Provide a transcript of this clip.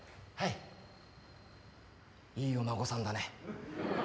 いいお孫さんだね。